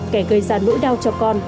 kẻ gây ra nỗi đau cho con